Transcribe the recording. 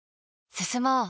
進もう。